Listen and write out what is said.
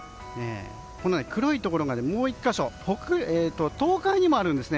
このように黒いところがもう１か所、東海にもあるんです。